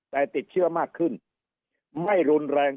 แต่ติดเชื้อมากขึ้นไม่รุนแรง